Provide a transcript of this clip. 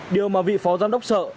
điều mà vị phó giám đốc sợ